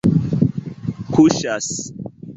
kuŝas